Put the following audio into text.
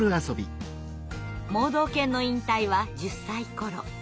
盲導犬の引退は１０歳ごろ。